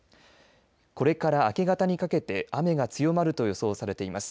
これから明け方にかけて雨が強まると予想されています。